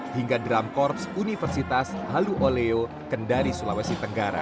hingga drum korps universitas halu oleo kendari sulawesi tenggara